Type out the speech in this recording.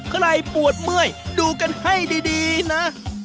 ปวดเมื่อยดูกันให้ดีนะ